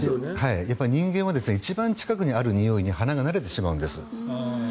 人間は一番近くにあるにおいに鼻が慣れてしまうんです。